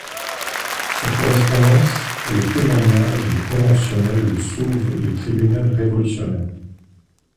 Sa correspondance et le témoignage des Conventionnels le sauvent du tribunal révolutionnaire.